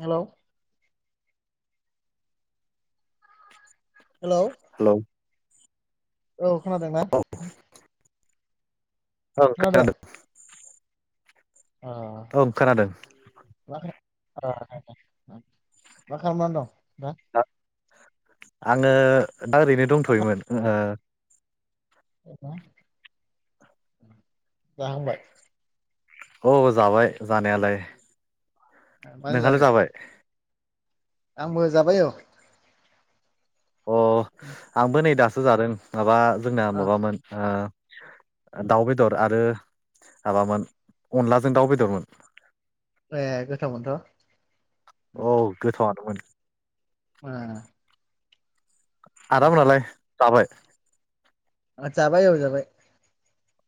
Hello. Hello. Hello औ खोनादों ना? औ खोनादों। ओ ओं खोनादों। मा मा खामनानै दं? दा आङो दा ओरैनो मा दंथ'योमोन ओओ। [unintelligible] जाखांबाय। औ जाबाय जानायालाय। मानो नोंहालाय जायाखै जाबाय? आंबो जाबाय औ। अ आंबो नै दा सो जादों माबा जोंना ओ माबामोन ओ दाउ बेदर आरो माबामोन अनलाजों दाउ बेदरमोन। ए गोथावमोनथ' उम। औ [unintelligible] वा। आराम नालाय जाबाय। जाबाय औ जाबाय।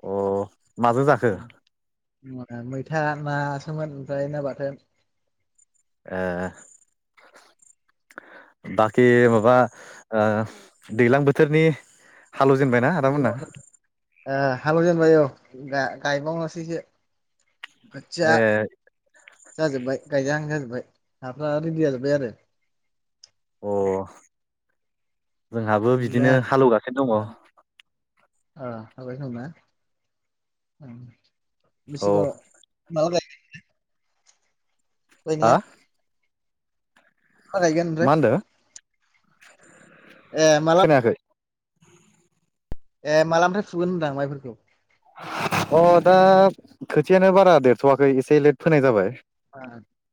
अ माजों जाखो? मैथा नासोमोन ओमफ्राय ना बाथोन। ए बाखि माबा ओ दैज्लां बोथोरनि हालौजेनबायना आदामोनना ओ हालौजेनबाय औ गा गायबावनोसैसो गोजा ए जाजोबाय गायजा हां जाजोबाय हाफोरा रिदि जाजोब्बाय आरो अ जोंहाबो दा बिदिनो हालौगासिनो दङ। [unintelligible] ओम बेसे गोबाव औ माला गाय हा ख्लैनिया। मा गायगोन ओमफ्राय मा होनदों [inaudible] ए माला? खोनायाखै ए मालानिफ्राय फुगोन होनदां माइफोरखौ? अ दा खोथियानो बारा देरथ'वाखै एसे लेट फोनाय जाबाय।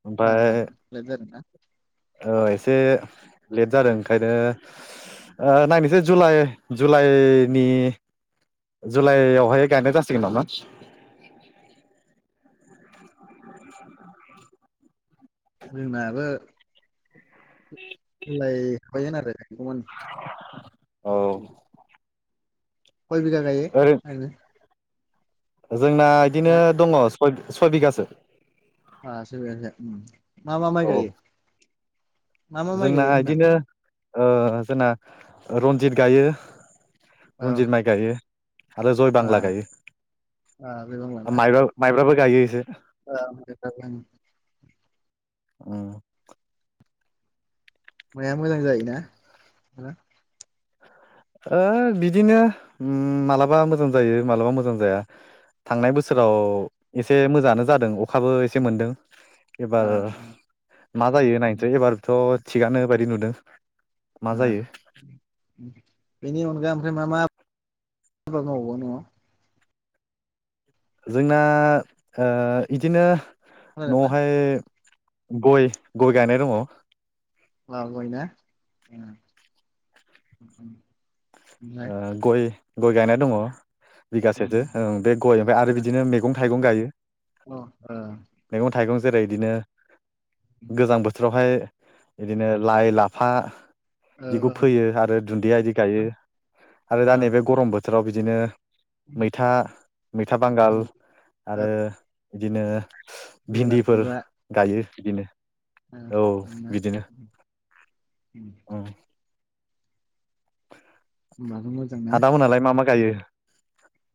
ओमफ्राय लेट जादोंना औ एसे लेट जादों ओंखायनो ओ नायनोसै जुलाइ जुलाइनि जुलाइयावहाय गायनाय जासिगोन नामा। जोंना बो [unintelligible] गुबुन औ सय बिघा गायो ओरै आङो जोंना इदिनो दङ सय-सयबिगासो [unintelligible] मा मा माइ औ गायो? मा मा माइ जोंना गायो होनदां इदिनो ओ जोंना रन्जित गायो। औ रनजित माइ गायो, आरो जय आ बांला गायो, आ बे बांलाना माइबा माइब्राबो गायो इसो [unintelligible] ओम। माया मोजां जायोना? ओ बिदिनो मालाबा मोजां जायो मालाबा मोजां जाया। थांनाय बोसोराव एसे मोजाङानो जादों अखाबो एसे मोनदों। एबार मा जायो नायनोसै एबारथ' थिगानो बायदि नुदों। मा आ जायो [inaudible] बिनि अनगा ओमफ्राय मा मा [inaudible] आबाद मावबावो न'आव? जोंना ओ इदिनो खोनादोंना न'वावहाय गय गय गायनाय दङ। औ गयना? [inaudible] ओ गय गय गायनाय दङ, बिगासेसो ओ बे गय ओमफ्राय आरो बिदिनो मैगं थाइगं गायो। अ ओ मैगं थाइगं जेरै इदिनो गोजां बोथोरावहाय इदिनो लाइ लाफा ओ बिदिखौ फोयो आरो दुन्दिया इदि गायो। आरो दा ओ नैबे गरम बोथो राव बिदिनो उम, मैथा मैथा बांगाल उम, ओ आरो बिदिनो भिन्दिफोर गायो। बिदिनो औ ओम बिदिनो [unintelligible] होमबाथ' मोजां ना [inaudible] आदा मोनालाय मा मा गायो?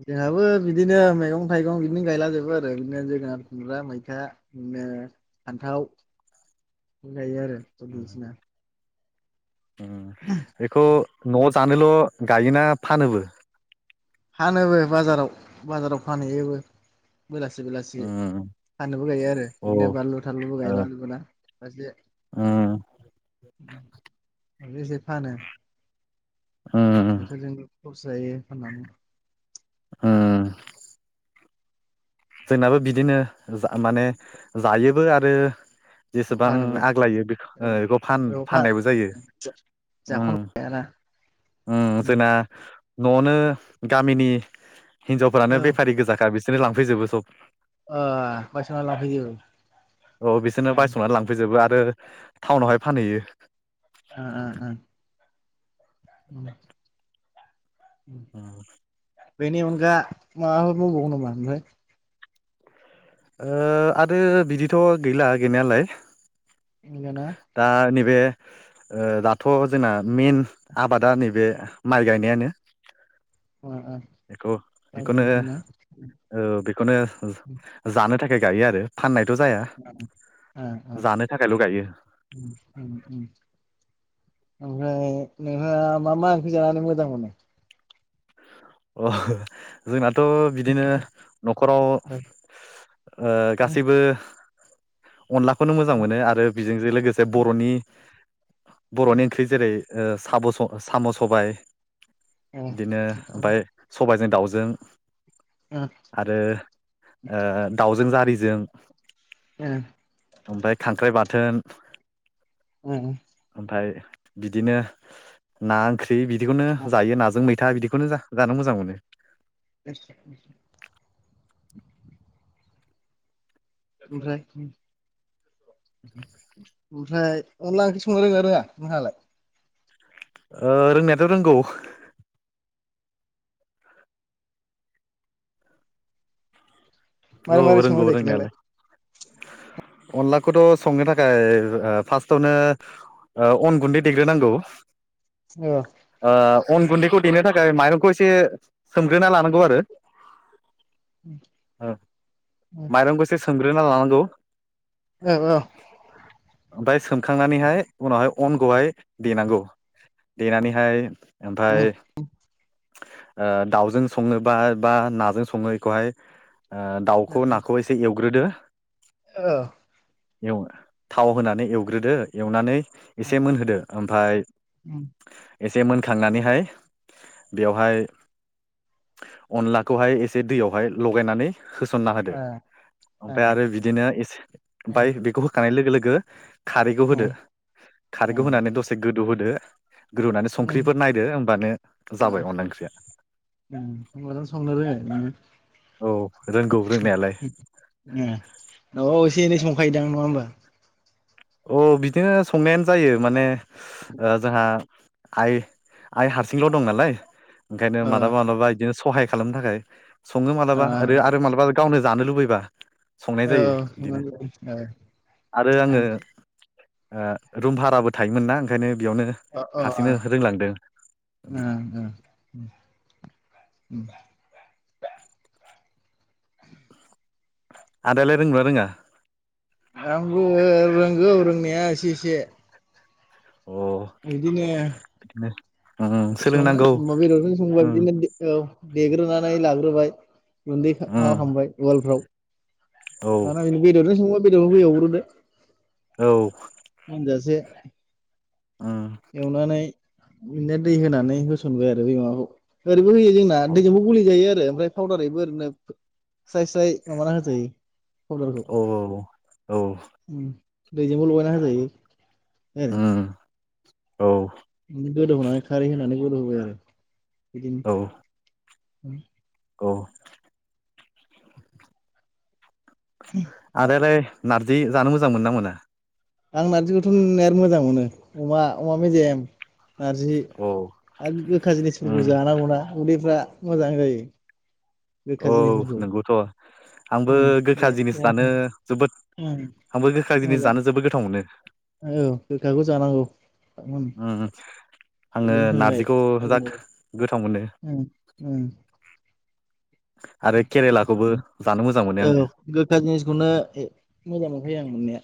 जोंहाबो बिदिनो मैगं थाइगं बिनो गायलाजोबो आरो बिदिनो जोगोनार, खुमब्रा, मैथा बिदिनो फान्थाव गायो आरो। बायदिसिना बेखौ न'आव जानोल' गायोना फानोबो? फानोबो बाजाराव बाजाराव फानहैयोबो। बेलासि बेलासि उम फाननोबो गायो आरो औ बिदिनो बानलु -थानलुबो ओ गायला [unintelligible] एसे उम एसे फानो। उम नोंसोरजोंबो खरस जायो फाननानै। ओम। जोंनाबो बिदिनो जा माने जायोबो आरो जेसेबां फानोबो आग्लायो बे बेखौ औ फा फाननायबो जायोओम जाख'नो हायाना ओम औ जोंना न'आवनो गामिनि हिनजावफ्रानो बेफारि गोजाखा बिसोरो लांफैजोबो। ओ बायस'ना लांफैयो। औ बिसोरनो बायस'नानै लांफैजोबो आरो टाउनावहाय फानहैयो। ओ ओ ओ। [unintelligible] ओम। बेनि अनगा माबाफोर मावबावो नामा ओमफ्राय? ओ आरो बिदिथ' गैला गैनायालाय। गैलाना दा नैबे ओ दाथ' जोंना मेन आबादा नैबे माइ गायनायानो। ओ ओ एखौ दा एखौनो गैलानो ना औ बेखौनो जानो [unintelligible] गायो आरो फाननाय [unintelligible] ओ ओ ओम थाखायल' गायो ओम ओम। ओमफ्राय नोंहा मा मा ओंख्रि जानानै मोजां मोनो? अ जोंनाथ' थ' बिदिनो न'खराव ओ ओमफ्राय गासैबो। अनलाखौनो मोजां मोनो आरो बेजोंजों लोगोसे बर'नि बर'नि ओंख्रि जेरै ओ साब साम' सबाय बिदिनो ओमफाय सबायाइजों दाउजों आरो ओ दाउजों जारिजों [inaudible] ओमफाय खांख्राइ बाद थोन। उम ओमफाय बिदिनो ना ओंख्रि बिदिखौनो जायो नाजों मैथा बिदि। खोनोजा। जानो मोजां मोनो। [unintelligible] ओमफ्राय ओमफ्राय अनला ओंख्रि संनो रोङा रोङा नोंहालाय? ओ रोंनायाथ' रोंगौ औ मारै मारै सङो रोंगौ दे खिनथालाय रोंनायालाय अनलाखौथ' संनो थाखाय ओ फार्स्टावनो ओ अन गुन्दै देग्रोनांगौ। औ। ओ अन गुन्दैखौ देनो थाखाय माइरंखौ एसे सोम। ग्रोना लानांगौ आरो माइरंखौसो सोमग्रो लांनांगौ औ औ ओमफ्राय सोमखांनानैहाय उनावहाय अनखौहाय देनांगौ देनानैहाय ओमफाय ओ दाउजों सङो बा बा नाजों सङो बेखौहाय ओ दाउखौ नाखौ एसे एवग्रोदो औ एव थाव होनानै एवग्रोदो एवनानै एसे मोनहोदो ओमफ्राय औ एसे मोनखांनानैहाय बेवहाय अनलाखौहाय एसे दैयावहाय लगायनानै होसनना होदो ओ ओ ओमफ्राय आरो बिदिनो एसे ओमफाय बेखौ होखांनाय लोगो लोगो गो खारैखौ ओ होदो ओ खारैखौ होनानै दसे गोदौ होदो ग्रोनानै उम संख्रिफोर नायदो होमबानो ओ जाबाय अनला ओंख्रिया उम होनबाथ' औ रोंगौ रोंनायालाय उम अ इसे इनै संखायो [unintelligible] नङा होमबा अ बिदिनो संनायानो जायो माने जोंहा आइ आइ हारसिंल दं नालाय ओंखायनो ओ मालाबा मालाबा इदिनो सहाय खालामनो थाखाय सङो ओ मालाबा ओरो आरो मालाबा। गावनो जानो लुबैबा। संनाय जायो बिदिनो आरो आङो [unintelligible] ओ रुम भाराबो थायोमोन ना ओंखायनो बेयावनो अ अ ओ हारसिंनो रोंलांदों ओ आदायालाय रोंगौना रोङा। आंबो रोंगौ रोंनाया एसे एसे। अ बिदिनो बिदिनो उम सोलोंनांगौ सङो बेदरजों संबा उम बिदिनो औ। देग्रोनानै लाग्रोबाय। उम [unintelligible] औ [unintelligible] बेदरखौ‌ एउग्रोबाय। औ मोनजा से। उम एवनानै। बिदिनो दै होनानै होसनबाय आरो बै‌ माबाखौ। बो होयो जोंना औ दैजोंबो गुलि जायो आरो। ओमफ्राय पाउदारैबो ओरैनो स्राय स्राय माबाना होजायो। पाउदारखौ औ औ औ। उम दैजोंबो लगायना होजायो। उम। औ। गोदौहोनानै खारै होनानै गोदौ होबाय आरो। बिदिनो औ [inaudible] औ। आदा लाय बि जानो मोजां मोनो ना मोना। आं नार्जिखौथ' नायाथ मोजां मोनो अमा अमा मेजेम। नारजि औ आरो गोखा उम जिनिसफोरखौ जानांगौना उदै फ्रा मोजां जायो। गोखा औ जिनिसफोरखौ नंगौथ'। आंबो उम बे गोखा जिनिस जानो उम जोबोद आंबो गोखा जिनिस मोजां जानो जोबोद गोथाव मोनो। औ गोखाखौ जानांगौ उम उ उ आङो उदैनि थाखाय नारजिखौ मोजां जा जायो गोथाव मोनो उम उम आरो केरेलाखौबो जानो मोजां मोनो आङो औ गोखा जिनिसखौनो मोजां मोनखायो आं मोननाया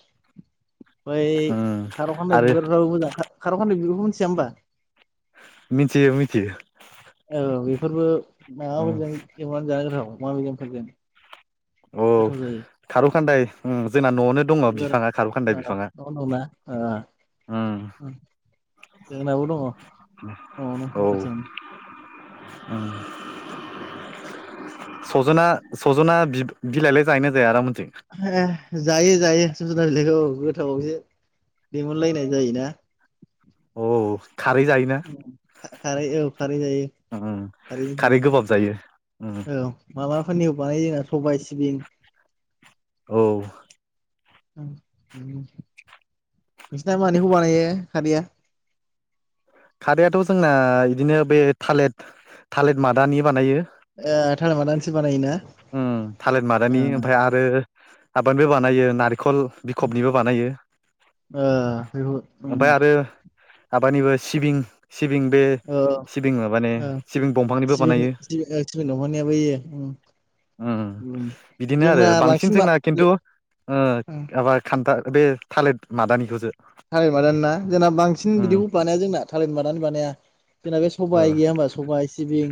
ओइ उम खार'खाना आरो बिबारफ्राबो मोजां खार'खान बिब मोनथिया होमबा मिथियो मिथियो औ बेफोरबो माबा उम जायो [unintelligible] जानो‌ गोथाव अमा बेदरफोरजों औ जायो खारौ खान्दाय जोंना न'आवनो दङ बिबारा बिफाङा खारौखान्दाय ओ बिफाङा न' उम जोंनाबो दङ न आवनो‌ औ आसोल सजना सजना बिलाइलाय जाहैनो जाया आरो हे जायो जायो सजना बिलाइखौ औ गोथावावसो लिमोनलायनाय जायोना औ खारै जायोना खारै औ खारै जायो खारैजों सङो खारै गोबाब जायो फानिखौ बानाय जोंना सबाय सिबिं औ नोंसिना मानिखौ बानायो खारैया खारैायाथ' जोंना बिदिनो बे थालिर थालिर मादानि बानायो ए थारमादानिसो बानायो ना थालिर मादानि ओमफ्राय आरो हाबानिबो बानायो नारेंखल बिखबनिबो बानायो ओ बेखौ उम ओमफ्राय आरो हाबानिबो सिबिं सिबिं बे आ सिबिं माबानि औ सिबिं दंफांनिबो बानायो सिबिं सिबिं दंहानिया बैयो उम बिदिनो आरो जोंना बांसिन मा जोंना खिन्थु माबा खान्था बे थालिर मादानिखौसो थालिर मादानि ना जोंना बांसिन उम बिदिखौ बानाया जोंना थालिर मादानि बानाया जोंना बे ओ सबाइ गैया होमबा सबाइ बिं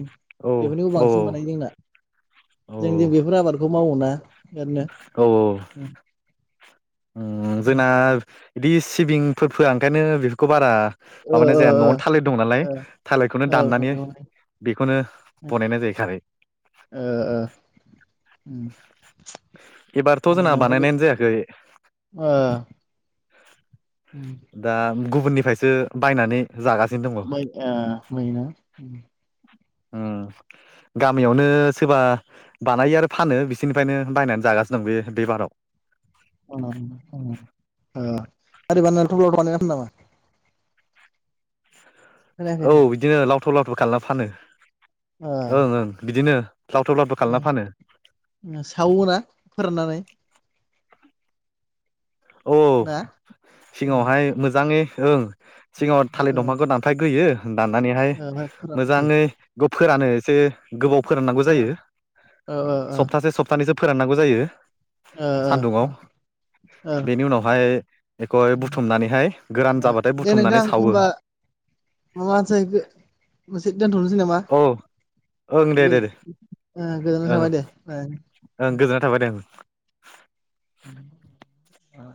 औ बेफोरनिबो औ बांसिन बानायो जोंना औ जों दि बेफोर आबादखौ मावो ना ओरैनो उ उम जोंना बिदि सिबिंफोर फोआ ओंखायनो बेफोरखौ बारा ओ माबानाय ओ जाया न'नो ओ थालिर दं नालाय थालिरखौनो ओ औ दाननानै थालिर बानायो बेखौनो बनायनाय जाहै खारै ओ ओ एबारथ' उम जोंना ओमफ्राय बे बानायनायानो जायाखै ओ उम दा गुबुननिफ्रायसो बायनानै जागासिनो दङ बा आ मायना ओ गामियावनो सोरबा बानायो आरो फानो बिसिोरनिफ्रायनो बायनानै जागासिनो दं बे बे बाराव [inaudible] खोनायाखै औ होनबा बिदिनो लावथाव लावथाव खालामना फानो ओ ओं ओं बिदिनो लावथाव लावथाव खालामना फानो ओ सावो ना फोराननानै औ ना ओ सिगाङावहाय मोजाङै ओं सिगाङाव थालिर फोरान दंफांखौ दानफायग्रोयो दाननानैहाय ओ फोरानसै मोजाङै फोरानो एसे गोबाव फोराननांगौ ओ जायो ओ ओ ओ सप्तासे सप्तानैजों फोराननांगौ जायो ओ सान्दुङाव ओ बेनि उनावहाय एखौ बुथुमनानैहाय गोरान ओ जाबाथाय दे बुथुमनानै नोंथां सावो। होमबा माबा मोनसे मोनसे दोनथ'नोसै नामा औ ओं ओ दे दे दे गोजोननाय ओं थाबाय दे ओं गोजोननाय थाबाय दे ओं औ